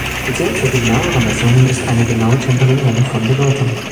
Speziell für genauere Messungen ist eine genaue Temperierung von Bedeutung.